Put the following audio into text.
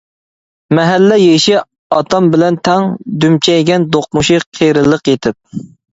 مەھەللە يېشى ئاتام بىلەن تەڭ، دۈمچەيگەن دوقمۇشى قېرىلىق يېتىپ.